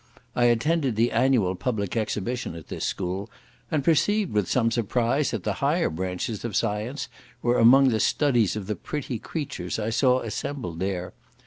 I attended the annual public exhibition at this school, and perceived, with some surprise, that the higher branches of science were among the studies of the pretty creatures I saw assembled there.